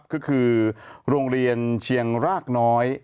ก็คือโรงเรียนเชียงรากน้อย